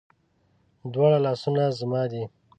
دواړه لاسونه زما دي